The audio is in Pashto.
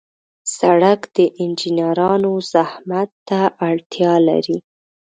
سړک د انجنیرانو زحمت ته اړتیا لري.